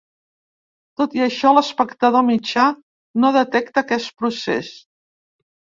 Tot i això, l'espectador mitjà no detecta aquest procés.